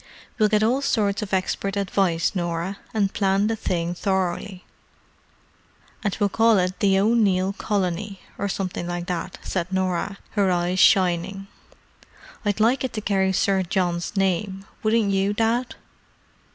We'll get all sorts of expert advice, Norah, and plan the thing thoroughly." "And we'll call it 'The O'Neill Colony,' or something like that," said Norah, her eyes shining. "I'd like it to carry on Sir John's name, wouldn't you, Dad?"